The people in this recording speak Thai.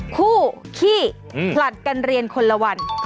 คู่ขี้ผลัดกันเรียนคนละวัน